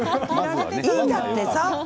いいんだってさ。